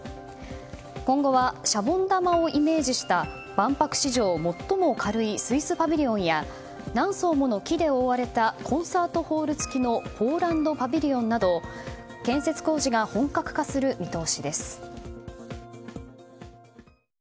今後はしゃぼん玉をイメージした万博史上最も軽いスイスパビリオンや何層もの木で覆われたコンサートホール付きのポーランドパビリオンなど建設工事が本格化する見通しです。